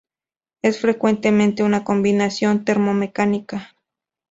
Es frecuentemente una combinación termo-mecánica.